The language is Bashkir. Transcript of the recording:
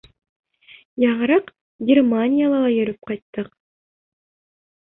Яңыраҡ Германияла ла йөрөп ҡайттыҡ.